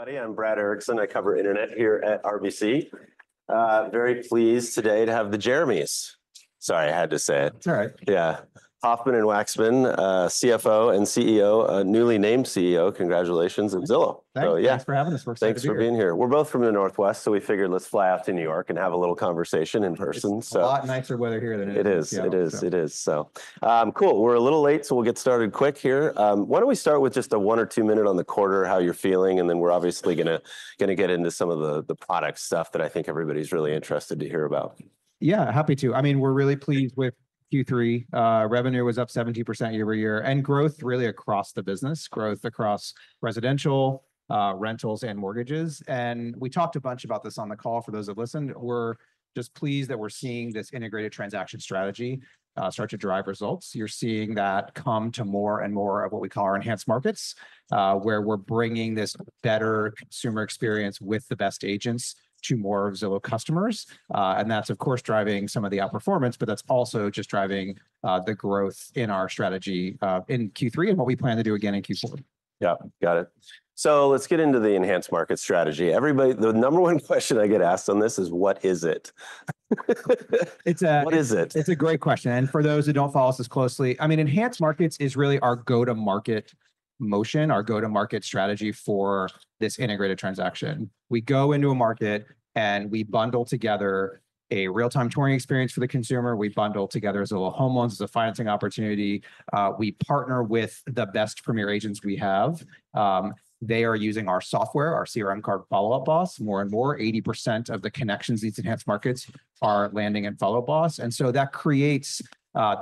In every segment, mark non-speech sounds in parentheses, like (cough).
Everybody. I'm Brad Erickson. I cover Internet here at RBC. Very pleased today to have the Jeremys. Sorry, I had to say it. It's all right. Yeah. Hofmann and Wacksman, CFO and CEO, newly named CEO. Congratulations at Zillow. Thanks for having us. Thanks for being here. We're both from the Northwest, so we figured let's fly out to New York and have a little conversation in person. A lot nicer weather here than it is. It is. So cool. We're a little late, so we'll get started quick here. Why don't we start with just a one or two minute on the quarter, how you're feeling, and then we're obviously going to get into some of the product stuff that I think everybody's really interested to hear about. Yeah, happy to. I mean, we're really pleased with Q3. Revenue was up 17% year over year, and growth really across the business, growth across residential, rentals, and mortgages, and we talked a bunch about this on the call. For those who have listened, we're just pleased that we're seeing this integrated transaction strategy start to drive results. You're seeing that come to more and more of what we call our Enhanced Markets, where we're bringing this better consumer experience with the best agents to more of Zillow customers, and that's, of course, driving some of the outperformance, but that's also just driving the growth in our strategy in Q3 and what we plan to do again in Q4. Yeah. Got it. So let's get into the Enhanced Markets strategy. Everybody, the number one question I get asked on this is, what is it? It's a. What is it? It's a great question. And for those who don't follow us this closely, I mean, Enhanced Markets is really our go-to-market motion, our go-to-market strategy for this integrated transaction. We go into a market and we bundle together a Real-Time Touring experience for the consumer. We bundle together Zillow Home Loans as a financing opportunity. We partner with the best Premier agents we have. They are using our software, our CRM called Follow Up Boss. More and more, 80% of the connections these Enhanced Markets are landing in Follow Up Boss. And so that creates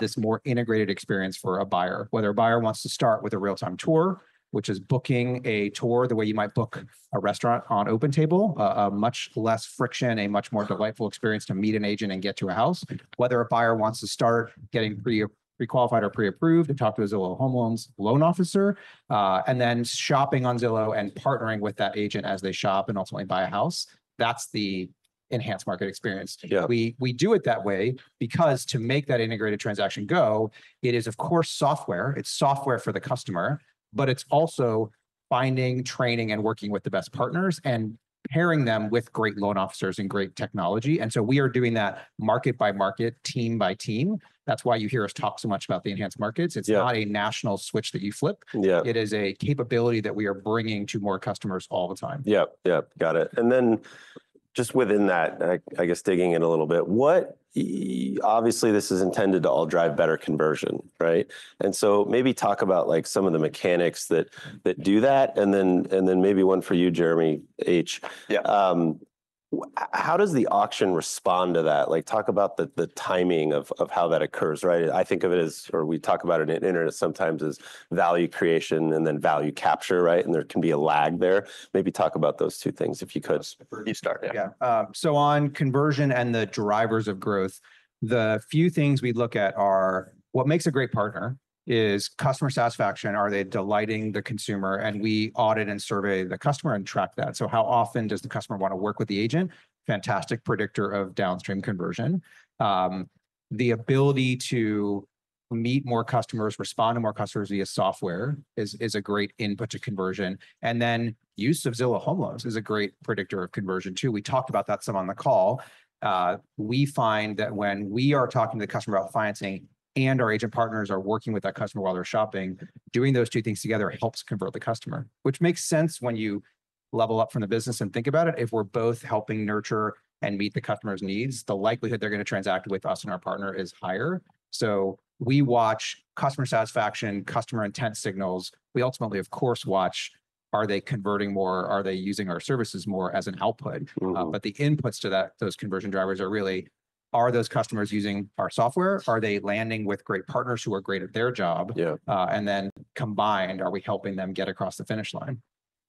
this more integrated experience for a buyer. Whether a buyer wants to start with a real-time tour, which is booking a tour the way you might book a restaurant on OpenTable, a much less friction, a much more delightful experience to meet an agent and get to a house. Whether a buyer wants to start getting pre-qualified or pre-approved and talk to a Zillow Home Loans loan officer, and then shopping on Zillow and partnering with that agent as they shop and ultimately buy a house, that's the Enhanced Markets experience. We do it that way because to make that integrated transaction go, it is, of course, software. It's software for the customer, but it's also finding, training, and working with the best partners and pairing them with great loan officers and great technology. And so we are doing that market by market, team by team. That's why you hear us talk so much about the Enhanced Markets. It's not a national switch that you flip. It is a capability that we are bringing to more customers all the time. Yeah. Yeah. Got it. And then just within that, I guess digging in a little bit, what obviously this is intended to all drive better conversion, right? And so maybe talk about some of the mechanics that do that. And then maybe one for you, Jeremy H. Yeah. How does the auction respond to that? Talk about the timing of how that occurs, right? I think of it as, or we talk about it in internet sometimes as value creation and then value capture, right? And there can be a lag there. Maybe talk about those two things if you could. Let's start. Yeah, so on conversion and the drivers of growth, the few things we look at are what makes a great partner is customer satisfaction. Are they delighting the consumer? We audit and survey the customer and track that, so how often does the customer want to work with the agent? Fantastic predictor of downstream conversion. The ability to meet more customers, respond to more customers via software is a great input to conversion, and then use of Zillow Home Loans is a great predictor of conversion too. We talked about that some on the call. We find that when we are talking to the customer about financing and our agent partners are working with that customer while they're shopping, doing those two things together helps convert the customer, which makes sense when you level up from the business and think about it. If we're both helping nurture and meet the customer's needs, the likelihood they're going to transact with us and our partner is higher, so we watch customer satisfaction, customer intent signals. We ultimately, of course, watch, are they converting more? Are they using our services more as an output, but the inputs to those conversion drivers are really, are those customers using our software? Are they landing with great partners who are great at their job, and then combined, are we helping them get across the finish line?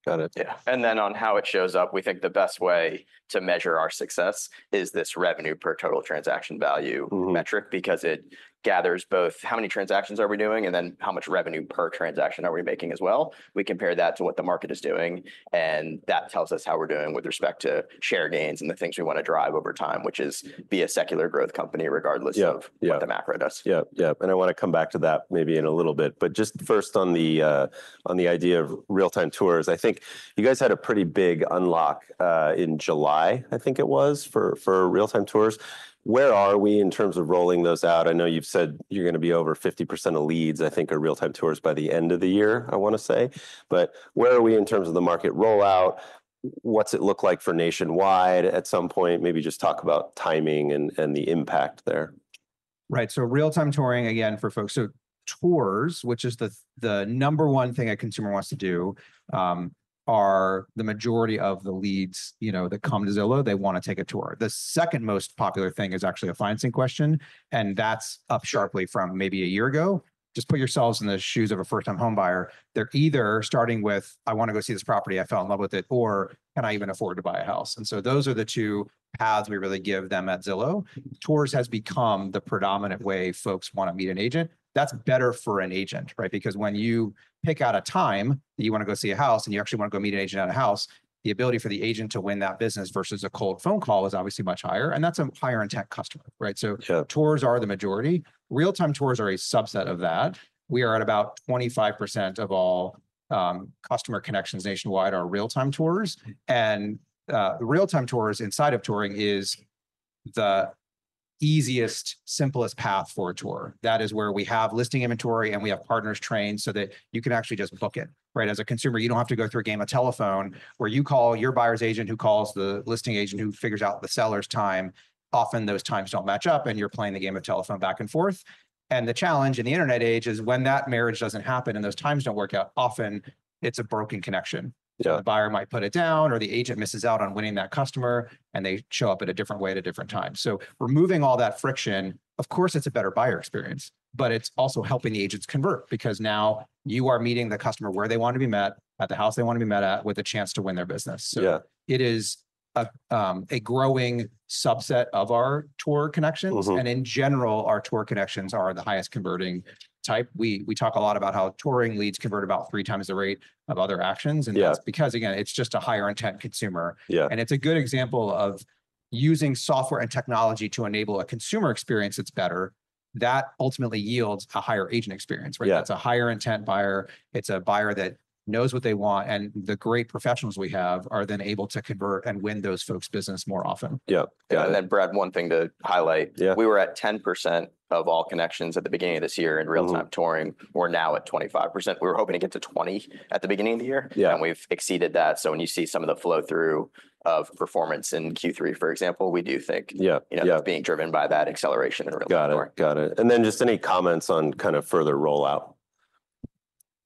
Got it. Yeah. And then on how it shows up, we think the best way to measure our success is this revenue per total transaction value metric because it gathers both how many transactions are we doing and then how much revenue per transaction are we making as well. We compare that to what the market is doing, and that tells us how we're doing with respect to share gains and the things we want to drive over time, which is be a secular growth company regardless of what the macro does. Yeah. Yeah. And I want to come back to that maybe in a little bit, but just first on the idea of real-time tours, I think you guys had a pretty big unlock in July, I think it was, for real-time tours. Where are we in terms of rolling those out? I know you've said you're going to be over 50% of leads, I think, are real-time tours by the end of the year, I want to say. But where are we in terms of the market rollout? What's it look like for nationwide at some point? Maybe just talk about timing and the impact there. Right. So Real-Time Touring, again, for folks who want tours, which is the number one thing a consumer wants to do, are the majority of the leads that come to Zillow, they want to take a tour. The second most popular thing is actually a financing question, and that's up sharply from maybe a year ago. Just put yourselves in the shoes of a first-time home buyer. They're either starting with, "I want to go see this property. I fell in love with it," or, "Can I even afford to buy a house?" And so those are the two paths we really give them at Zillow. Tours has become the predominant way folks want to meet an agent. That's better for an agent, right? Because when you pick out a time that you want to go see a house and you actually want to go meet an agent at a house, the ability for the agent to win that business versus a cold phone call is obviously much higher. And that's a higher intent customer, right? So tours are the majority. Real-time tours are a subset of that. We are at about 25% of all customer connections nationwide are real-time tours. And real-time tours inside of touring is the easiest, simplest path for a tour. That is where we have listing inventory and we have partners trained so that you can actually just book it, right? As a consumer, you don't have to go through a game of telephone where you call your buyer's agent who calls the listing agent who figures out the seller's time. Often those times don't match up and you're playing the game of telephone back and forth. And the challenge in the Internet age is when that marriage doesn't happen and those times don't work out, often it's a broken connection. The buyer might put it down or the agent misses out on winning that customer and they show up at a different way at a different time. So removing all that friction, of course, it's a better buyer experience, but it's also helping the agents convert because now you are meeting the customer where they want to be met, at the house they want to be met at, with a chance to win their business. So it is a growing subset of our tour connections. And in general, our tour connections are the highest converting type. We talk a lot about how touring leads convert about three times the rate of other actions. And that's because, again, it's just a higher intent consumer. And it's a good example of using software and technology to enable a consumer experience that's better. That ultimately yields a higher agent experience, (crosstalk) That's a higher intent buyer. It's a buyer that knows what they want. And the great professionals we have are then able to convert and win those folks' business more often. Yeah. Yeah. And then, Brad, one thing to highlight. We were at 10% of all connections at the beginning of this year in Real-Time Touring. We're now at 25%. We were hoping to get to 20% at the beginning of the year, and we've exceeded that. So when you see some of the flow-through of performance in Q3, for example, we do think it's being driven by that acceleration in Real-Time Touring. Got it. Got it. And then just any comments on kind of further rollout?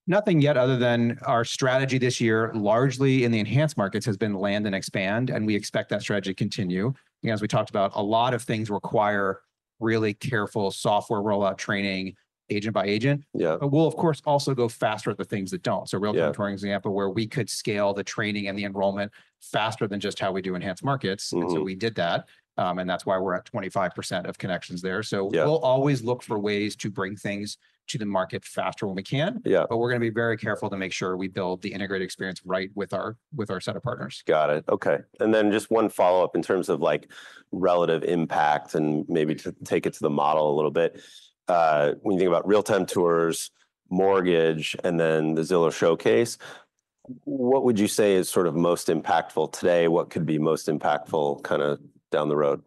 Nothing yet other than our strategy this year, largely in the Enhanced Markets, has been land and expand, and we expect that strategy to continue. As we talked about, a lot of things require really careful software rollout training agent by agent, but we'll, of course, also go faster at the things that don't, so Real-Time Touring, for example, where we could scale the training and the enrollment faster than just how we do Enhanced Markets, and so we did that, and that's why we're at 25% of connections there. We'll always look for ways to bring things to the market faster when we can, but we're going to be very careful to make sure we build the integrated experience right with our set of partners. Got it. Okay. And then just one follow-up in terms of relative impact and maybe to take it to the model a little bit. When you think about Real-Time Touring, mortgage, and then the Zillow Showcase, what would you say is sort of most impactful today? What could be most impactful kind of down the road?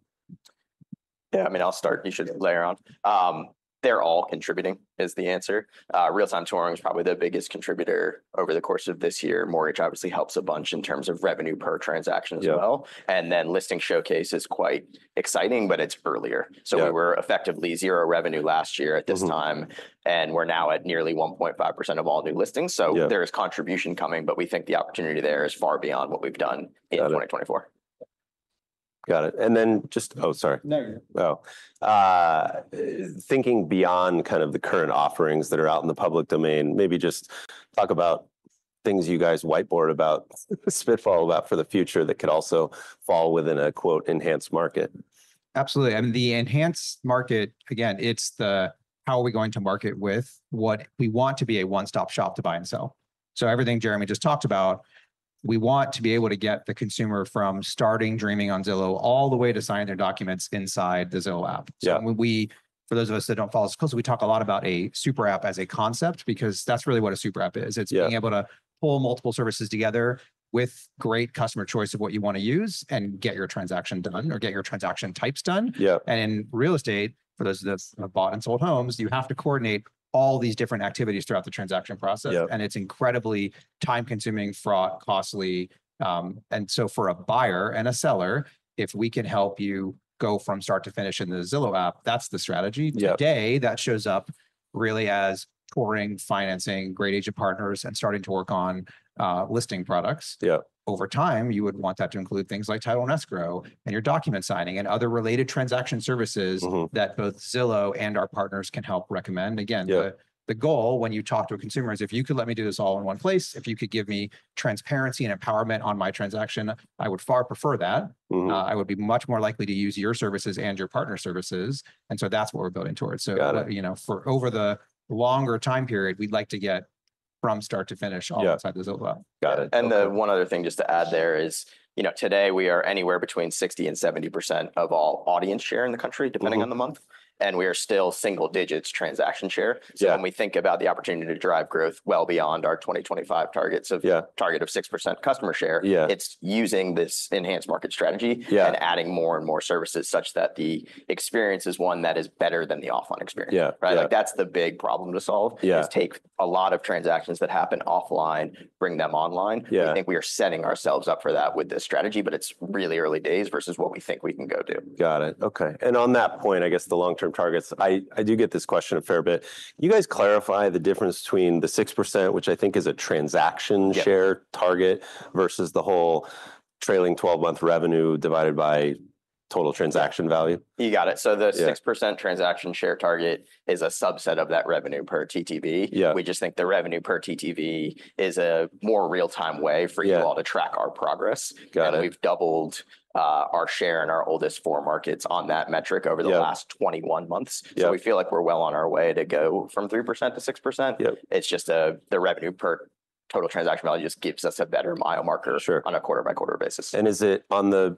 Yeah. I mean, I'll start. You should layer on. They're all contributing is the answer. Real-Time Touring is probably the biggest contributor over the course of this year. Mortgage obviously helps a bunch in terms of revenue per transaction as well. And then Listing Showcase is quite exciting, but it's earlier. So we were effectively zero revenue last year at this time, and we're now at nearly 1.5% of all new listings. So there is contribution coming, but we think the opportunity there is far beyond what we've done in 2024. Got it. Thinking beyond kind of the current offerings that are out in the public domain, maybe just talk about things you guys whiteboard about, spitball about for the future that could also fall within a "enhanced market. Absolutely. And the Enhanced Market, again, it's the how are we going to market with what we want to be a one-stop shop to buy and sell. So everything Jeremy just talked about, we want to be able to get the consumer from starting dreaming on Zillow all the way to signing their documents inside the Zillow app. So for those of us that don't follow us closely, we talk a lot about a super app as a concept because that's really what a super app is. It's being able to pull multiple services together with great customer choice of what you want to use and get your transaction done or get your transaction types done. And in real estate, for those of us who have bought and sold homes, you have to coordinate all these different activities throughout the transaction process. And it's incredibly time-consuming, fraught, costly. And so for a buyer and a seller, if we can help you go from start to finish in the Zillow app, that's the strategy. Today, that shows up really as touring, financing, great agent partners, and starting to work on listing products. Over time, you would want that to include things like title and escrow and your document signing and other related transaction services that both Zillow and our partners can help recommend. Again, the goal when you talk to a consumer is if you could let me do this all in one place, if you could give me transparency and empowerment on my transaction, I would far prefer that. I would be much more likely to use your services and your partner services. And so that's what we're building towards. So for over the longer time period, we'd like to get from start to finish all inside the Zillow app. Got it. And one other thing just to add there is today we are anywhere between 60% and 70% of all audience share in the country, depending on the month, and we are still single digits transaction share. So when we think about the opportunity to drive growth well beyond our 2025 target of 6% customer share, it's using this Enhanced Markets strategy and adding more and more services such that the experience is one that is better than the offline experience. That's the big problem to solve is take a lot of transactions that happen offline, bring them online. I think we are setting ourselves up for that with this strategy, but it's really early days versus what we think we can go do. Got it. Okay. And on that point, I guess the long-term targets, I do get this question a fair bit. You guys clarify the difference between the 6%, which I think is a transaction share target, versus the whole trailing 12-month revenue divided by total transaction value? You got it. So the 6% transaction share target is a subset of that revenue per TTV. We just think the revenue per TTV is a more real-time way for you all to track our progress. And we've doubled our share in our oldest four markets on that metric over the last 21 months. So we feel like we're well on our way to go from 3% to 6%. It's just the revenue per total transaction value just gives us a better mile marker on a quarter-by-quarter basis. Is it on the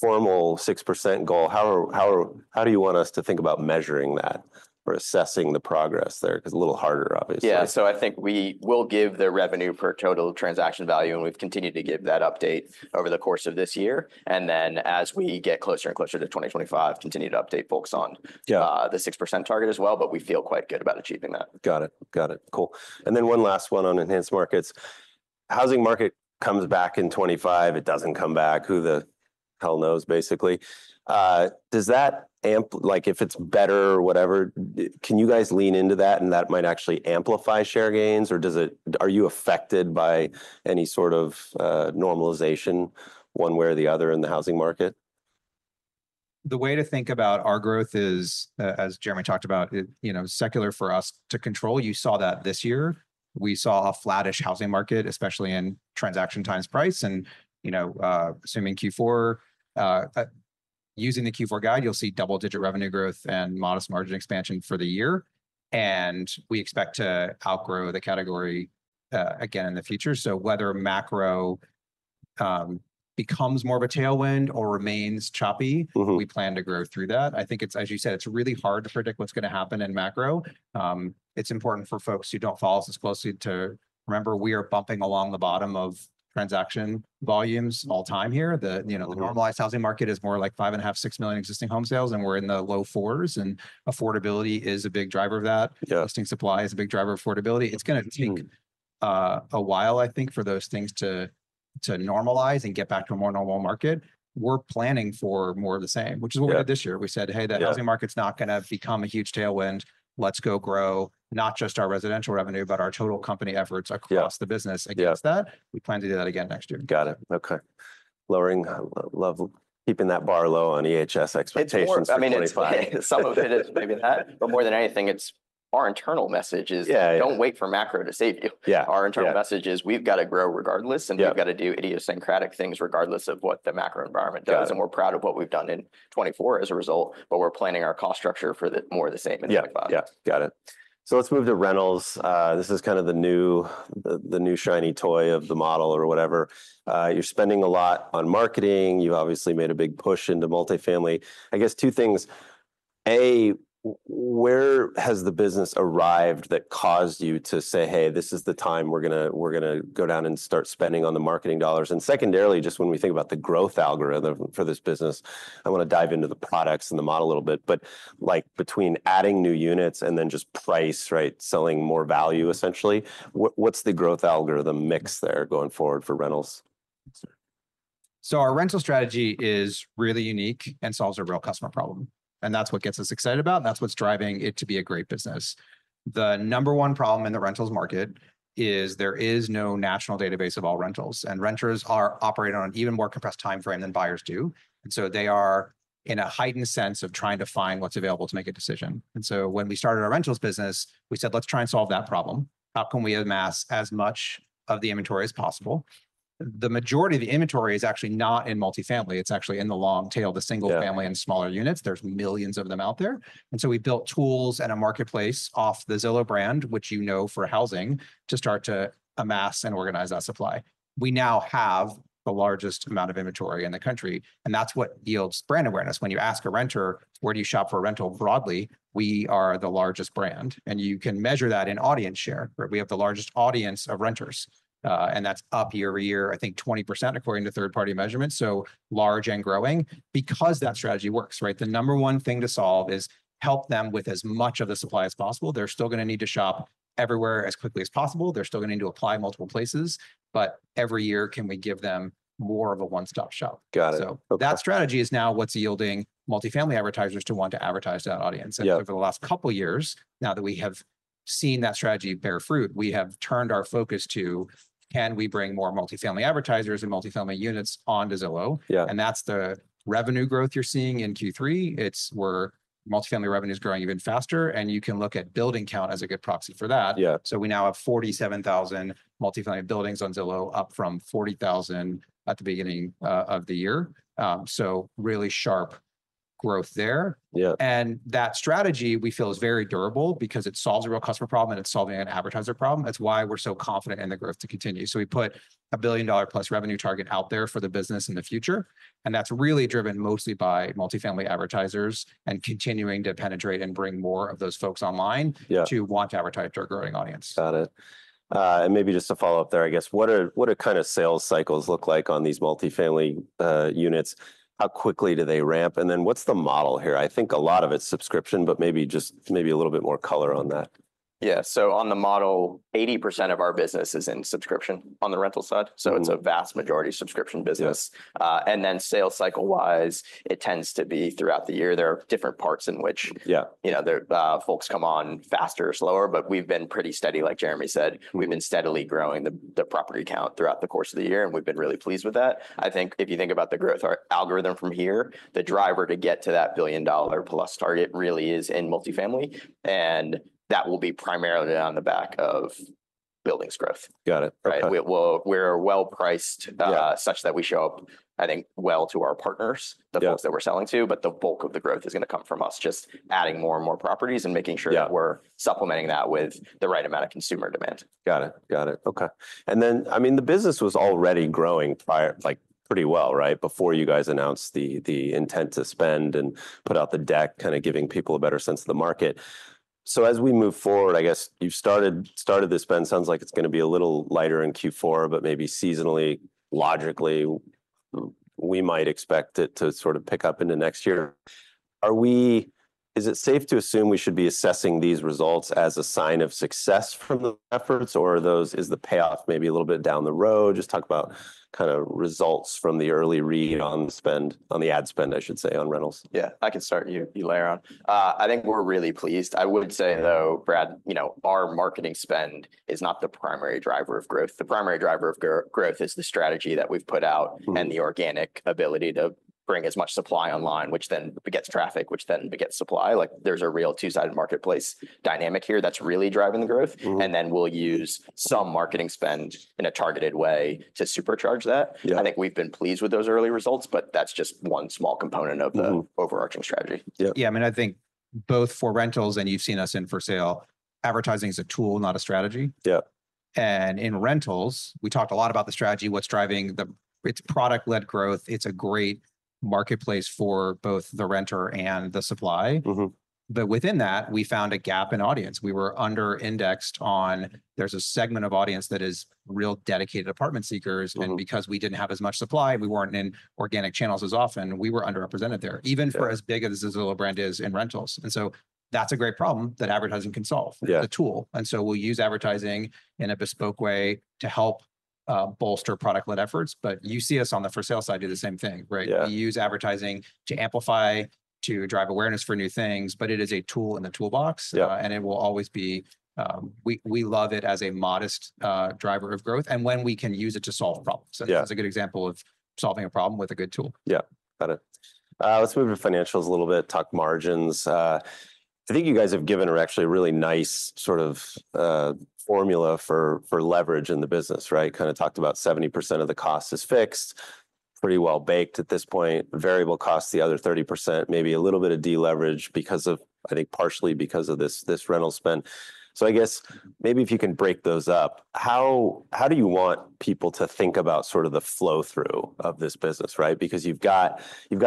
formal 6% goal? How do you want us to think about measuring that or assessing the progress there? Because a little harder, obviously. Yeah. So I think we will give the revenue per total transaction value, and we've continued to give that update over the course of this year. And then as we get closer and closer to 2025, continue to update folks on the 6% target as well, but we feel quite good about achieving that. Got it. Got it. Cool. And then one last one on Enhanced Markets. Housing market comes back in 2025. It doesn't come back. Who the hell knows, basically. Does that, like if it's better or whatever, can you guys lean into that and that might actually amplify share gains? Or are you affected by any sort of normalization one way or the other in the housing market? The way to think about our growth is, as Jeremy talked about, secular for us to control. You saw that this year. We saw a flattish housing market, especially in transaction times price. And assuming Q4, using the Q4 guide, you'll see double-digit revenue growth and modest margin expansion for the year. And we expect to outgrow the category again in the future. So whether macro becomes more of a tailwind or remains choppy, we plan to grow through that. I think it's, as you said, it's really hard to predict what's going to happen in macro. It's important for folks who don't follow us as closely to remember we are bumping along the bottom of transaction volumes all-time low here. The normalized housing market is more like five and a half, six million existing home sales, and we're in the low fours. And affordability is a big driver of that. Listing supply is a big driver of affordability. It's going to take a while, I think, for those things to normalize and get back to a more normal market. We're planning for more of the same, which is what we had this year. We said, "Hey, the housing market's not going to become a huge tailwind. Let's go grow not just our residential revenue, but our total company efforts across the business against that." We plan to do that again next year. Got it. Okay. Lowering level, keeping that bar low on EHS expectations. I mean, it's fine. Some of it is maybe that. But more than anything, our internal message is, "Don't wait for macro to save you." Our internal message is, "We've got to grow regardless, and we've got to do idiosyncratic things regardless of what the macro environment does," and we're proud of what we've done in 2024 as a result, but we're planning our cost structure for more of the same in 2025. Yeah. Got it. So let's move to rentals. This is kind of the new shiny toy of the model or whatever. You're spending a lot on marketing. You've obviously made a big push into multifamily. I guess two things. A, where has the business arrived that caused you to say, "Hey, this is the time we're going to go down and start spending on the marketing dollars?" And secondarily, just when we think about the growth algorithm for this business, I want to dive into the products and the model a little bit. But between adding new units and then just price, right, selling more value, essentially, what's the growth algorithm mix there going forward for rentals? So our rental strategy is really unique and solves a real customer problem. And that's what gets us excited about. That's what's driving it to be a great business. The number one problem in the rentals market is there is no national database of all rentals. And renters are operating on an even more compressed timeframe than buyers do. And so they are in a heightened sense of trying to find what's available to make a decision. And so when we started our rentals business, we said, "Let's try and solve that problem. How can we amass as much of the inventory as possible?" The majority of the inventory is actually not in multifamily. It's actually in the long tail, the single family and smaller units. There's millions of them out there. And so we built tools and a marketplace off the Zillow brand, which you know for housing, to start to amass and organize that supply. We now have the largest amount of inventory in the country. And that's what yields brand awareness. When you ask a renter, "Where do you shop for a rental?" Broadly, we are the largest brand. And you can measure that in audience share. We have the largest audience of renters. And that's up year over year, I think 20% according to third-party measurements. So large and growing because that strategy works, right? The number one thing to solve is help them with as much of the supply as possible. They're still going to need to shop everywhere as quickly as possible. They're still going to need to apply multiple places. But every year, can we give them more of a one-stop shop? So that strategy is now what's yielding multifamily advertisers to want to advertise to that audience. And over the last couple of years, now that we have seen that strategy bear fruit, we have turned our focus to, "Can we bring more multifamily advertisers and multifamily units onto Zillow?" And that's the revenue growth you're seeing in Q3. It's where multifamily revenue is growing even faster. And you can look at building count as a good proxy for that. So we now have 47,000 multifamily buildings on Zillow, up from 40,000 at the beginning of the year. So really sharp growth there. And that strategy, we feel, is very durable because it solves a real customer problem and it's solving an advertiser problem. That's why we're so confident in the growth to continue. So we put a $1 billion-plus revenue target out there for the business in the future. That's really driven mostly by multifamily advertisers and continuing to penetrate and bring more of those folks online to want to advertise to our growing audience. Got it. And maybe just to follow up there, I guess, what are kind of sales cycles look like on these multifamily units? How quickly do they ramp? And then what's the model here? I think a lot of it's subscription, but maybe just maybe a little bit more color on that. Yeah. So on the model, 80% of our business is in subscription on the rental side. So it's a vast majority subscription business, and then sales cycle-wise, it tends to be throughout the year. There are different parts in which folks come on faster, slower, but we've been pretty steady. Like Jeremy said, we've been steadily growing the property count throughout the course of the year, and we've been really pleased with that. I think if you think about the growth algorithm from here, the driver to get to that billion-plus target really is in multifamily, and that will be primarily on the back of buildings growth. Got it. We're well-priced such that we show up, I think, well to our partners, the folks that we're selling to. But the bulk of the growth is going to come from us just adding more and more properties and making sure that we're supplementing that with the right amount of consumer demand. Got it. Got it. Okay. And then, I mean, the business was already growing pretty well, right, before you guys announced the intent to spend and put out the deck kind of giving people a better sense of the market. So as we move forward, I guess you've started this spend. Sounds like it's going to be a little lighter in Q4, but maybe seasonally, logically, we might expect it to sort of pick up into next year. Is it safe to assume we should be assessing these results as a sign of success from the efforts? Or is the payoff maybe a little bit down the road? Just talk about kind of results from the early read on the spend, on the ad spend, I should say, on rentals. Yeah, I can start. You layer on. I think we're really pleased. I would say, though, Brad, our marketing spend is not the primary driver of growth. The primary driver of growth is the strategy that we've put out and the organic ability to bring as much supply online, which then begets traffic, which then begets supply. There's a real two-sided marketplace dynamic here that's really driving the growth. And then we'll use some marketing spend in a targeted way to supercharge that. I think we've been pleased with those early results, but that's just one small component of the overarching strategy. Yeah. I mean, I think both for rentals and, you've seen us in for sale, advertising is a tool, not a strategy. And in rentals, we talked a lot about the strategy, what's driving the product-led growth. It's a great marketplace for both the renter and the supply. But within that, we found a gap in audience. We were under-indexed. On, there's a segment of audience that is real dedicated apartment seekers. And because we didn't have as much supply, we weren't in organic channels as often. We were underrepresented there, even for as big as the Zillow brand is in rentals. And so that's a great problem that advertising can solve, the tool. And so we'll use advertising in a bespoke way to help bolster product-led efforts. But you see us on the for sale side do the same thing, right? We use advertising to amplify, to drive awareness for new things, but it is a tool in the toolbox, and it will always be we love it as a modest driver of growth and when we can use it to solve problems, and that's a good example of solving a problem with a good tool. Yeah. Got it. Let's move to financials a little bit, talk margins. I think you guys have given here actually a really nice sort of formula for leverage in the business, right? Kind of talked about 70% of the cost is fixed, pretty well baked at this point, variable costs, the other 30%, maybe a little bit of deleverage because of, I think, partially because of this rental spend. So I guess maybe if you can break those up, how do you want people to think about sort of the flow through of this business, right? Because you've got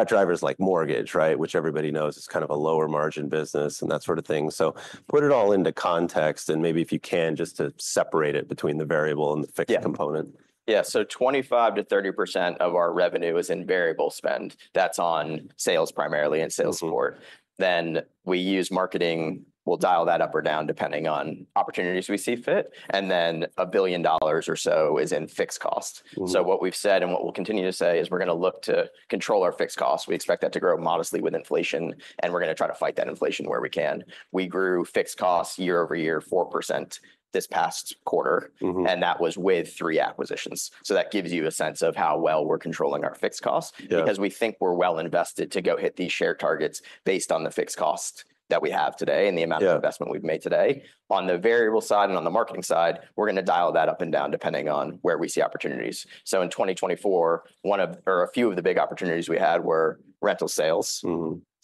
drivers like mortgage, right, which everybody knows is kind of a lower margin business and that sort of thing. So put it all into context and maybe if you can, just to separate it between the variable and the fixed component. Yeah. So, 25%-30% of our revenue is in variable spend. That's on sales primarily and sales support. Then we use marketing. We'll dial that up or down depending on opportunities we see fit. And then $1 billion or so is in fixed costs. So what we've said and what we'll continue to say is we're going to look to control our fixed costs. We expect that to grow modestly with inflation, and we're going to try to fight that inflation where we can. We grew fixed costs year over year 4% this past quarter, and that was with three acquisitions. So that gives you a sense of how well we're controlling our fixed costs because we think we're well invested to go hit these share targets based on the fixed costs that we have today and the amount of investment we've made today. On the variable side and on the marketing side, we're going to dial that up and down depending on where we see opportunities. So in 2024, one of or a few of the big opportunities we had were rental sales,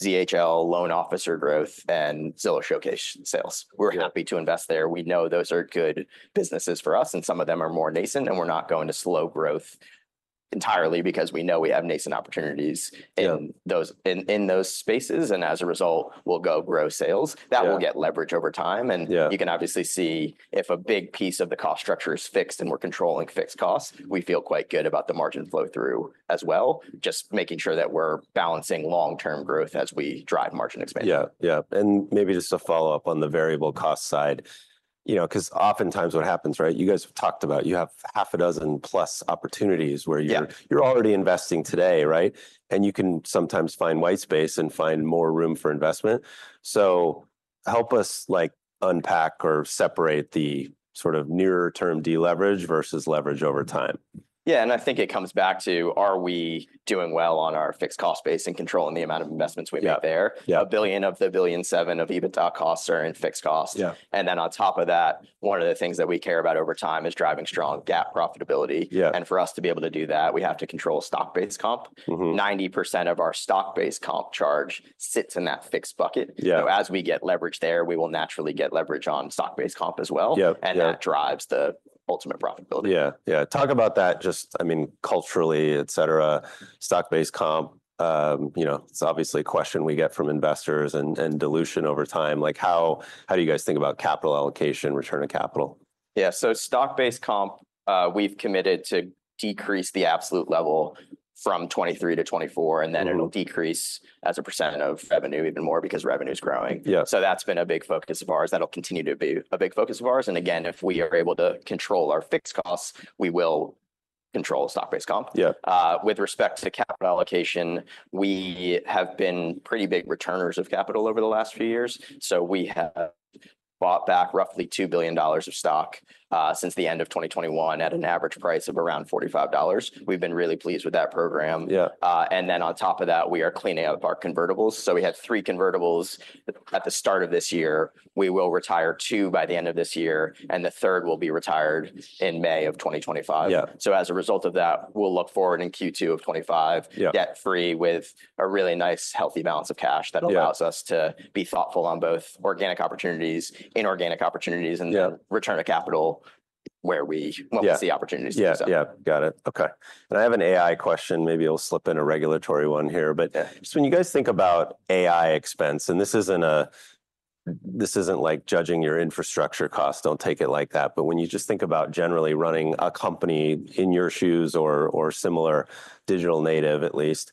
ZHL loan officer growth, and Zillow Showcase sales. We're happy to invest there. We know those are good businesses for us, and some of them are more nascent, and we're not going to slow growth entirely because we know we have nascent opportunities in those spaces, and as a result, we'll go grow sales. That will get leverage over time, and you can obviously see if a big piece of the cost structure is fixed and we're controlling fixed costs, we feel quite good about the margin flow through as well, just making sure that we're balancing long-term growth as we drive margin expansion. Yeah. Yeah. And maybe just a follow-up on the variable cost side, because oftentimes what happens, right? You guys talked about you have half a dozen plus opportunities where you're already investing today, right? And you can sometimes find white space and find more room for investment. So help us unpack or separate the sort of nearer-term deleverage versus leverage over time. Yeah. And I think it comes back to, are we doing well on our fixed cost base and controlling the amount of investments we make there? $1 billion of the $1.7 billion of EBITDA costs are in fixed costs. And then on top of that, one of the things that we care about over time is driving strong GAAP profitability. And for us to be able to do that, we have to control stock-based comp. 90% of our stock-based comp charge sits in that fixed bucket. So as we get leverage there, we will naturally get leverage on stock-based comp as well. And that drives the ultimate profitability. Yeah. Yeah. Talk about that just, I mean, culturally, et cetera, stock-cased comp. It's obviously a question we get from investors and dilution over time. How do you guys think about capital allocation, return to capital? Yeah, so stock-based comp, we've committed to decrease the absolute level from 2023 to 2024, and then it'll decrease as a percent of revenue even more because revenue is growing, so that's been a big focus of ours. That'll continue to be a big focus of ours, and again, if we are able to control our fixed costs, we will control stock-based comp. With respect to capital allocation, we have been pretty big returners of capital over the last few years, so we have bought back roughly $2 billion of stock since the end of 2021 at an average price of around $45. We've been really pleased with that program, and then on top of that, we are cleaning up our convertibles, so we had three convertibles at the start of this year. We will retire two by the end of this year, and the third will be retired in May of 2025, so as a result of that, we'll look forward in Q2 of 2025 debt-free with a really nice, healthy balance of cash that allows us to be thoughtful on both organic opportunities, inorganic opportunities, and return to capital where we see opportunities to do so. Yeah. Yeah. Got it. Okay. And I have an AI question. Maybe it'll slip in a regulatory one here. But just when you guys think about AI expense, and this isn't like judging your infrastructure costs. Don't take it like that. But when you just think about generally running a company in your shoes or similar digital native, at least,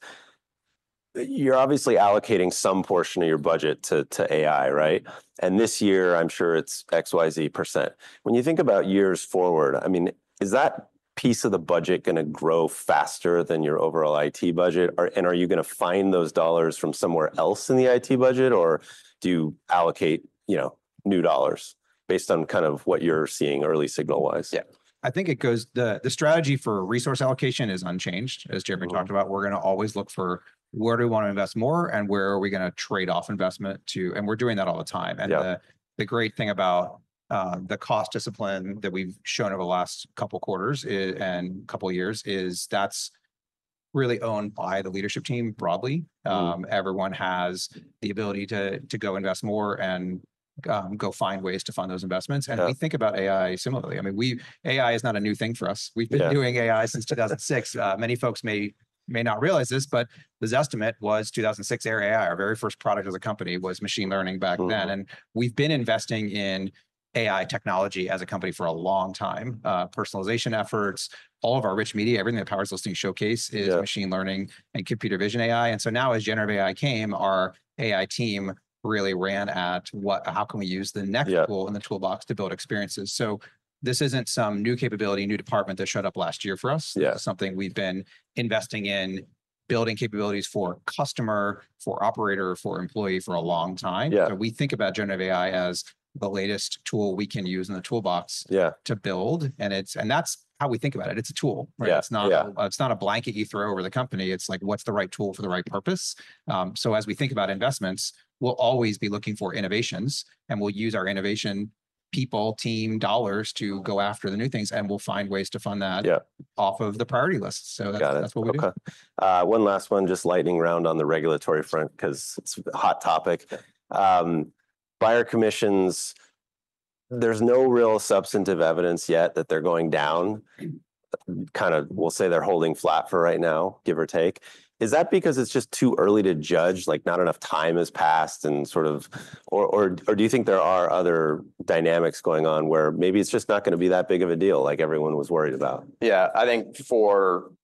you're obviously allocating some portion of your budget to AI, right? And this year, I'm sure it's XYZ%. When you think about years forward, I mean, is that piece of the budget going to grow faster than your overall IT budget? And are you going to find those dollars from somewhere else in the IT budget, or do you allocate new dollars based on kind of what you're seeing early signal-wise? Yeah. I think the strategy for resource allocation is unchanged, as Jeremy talked about. We're going to always look for where do we want to invest more and where are we going to trade off investment to. And we're doing that all the time. And the great thing about the cost discipline that we've shown over the last couple of quarters and couple of years is that's really owned by the leadership team broadly. Everyone has the ability to go invest more and go find ways to fund those investments. And we think about AI similarly. I mean, AI is not a new thing for us. We've been doing AI since 2006. Many folks may not realize this, but the Zestimate was 2006 era AI. Our very first product as a company was machine learning back then. And we've been investing in AI technology as a company for a long time, personalization efforts, all of our rich media, everything that powers Listing Showcase is machine learning and computer vision AI. And so now as generative AI came, our AI team really ran at how can we use the next tool in the toolbox to build experiences. So this isn't some new capability, new department that showed up last year for us. This is something we've been investing in, building capabilities for customer, for operator, for employee for a long time. So we think about generative AI as the latest tool we can use in the toolbox to build. And that's how we think about it. It's a tool. It's not a blanket you throw over the company. It's like, what's the right tool for the right purpose? As we think about investments, we'll always be looking for innovations, and we'll use our innovation people, team, dollars to go after the new things, and we'll find ways to fund that off of the priority list. That's what we do. One last one, just lightning round on the regulatory front because it's a hot topic. Buyer commissions, there's no real substantive evidence yet that they're going down. Kind of we'll say they're holding flat for right now, give or take. Is that because it's just too early to judge, like not enough time has passed and sort of, or do you think there are other dynamics going on where maybe it's just not going to be that big of a deal like everyone was worried about? Yeah. I think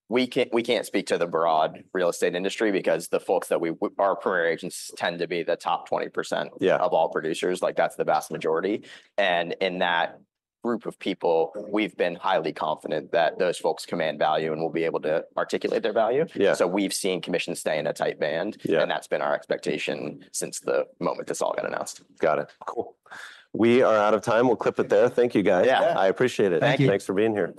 we can't speak to the broad real estate industry because the folks that are our Premier agents tend to be the top 20% of all producers. That's the vast majority. And in that group of people, we've been highly confident that those folks command value and will be able to articulate their value. So we've seen commissions stay in a tight band, and that's been our expectation since the moment this all got announced. Got it. Cool. We are out of time. We'll clip it there. Thank you, guys. I appreciate it. Thanks for being here.